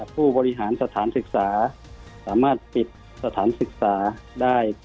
ผู้บริหารสถานศึกษาสามารถปิดสถานศึกษาได้